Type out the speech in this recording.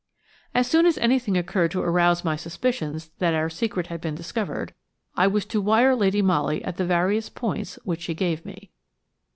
As soon as anything occurred to arouse my suspicions that our secret had been discovered, I was to wire to Lady Molly at the various points which she gave me.